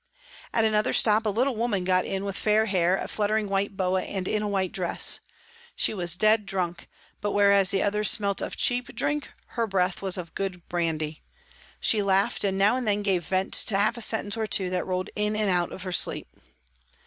At another stop, a little woman got in with fair hair, a fluttering white boa, and in a white dress. She was dead drunk, but whereas the others smelt of cheap drink, her breath was of good brandy. She laughed, and now and then gave vent to a half sentence or two that rolled hi and out of her sleep.